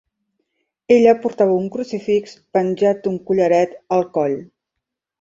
Ella portava un crucifix penjat d'un collaret al coll.